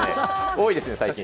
多いですね、最近。